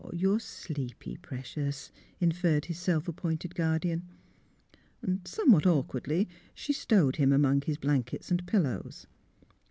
" You're sleepy, precious," inferred his self appointed guardian. Somewhat awkwardly she stowed him among his blankets and pillows.